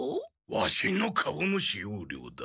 ワシの顔の使用料だ。